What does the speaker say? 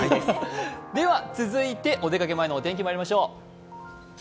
では、続いて、お出かけ前のお天気、まいりましょう。